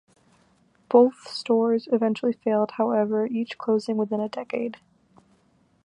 Both stores eventually failed, however, each closing within a decade.